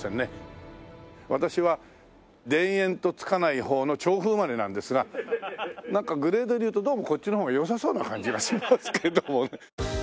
私は「田園」と付かない方の調布生まれなんですがなんかグレードでいうとどうもこっちの方が良さそうな感じがしますけどもね。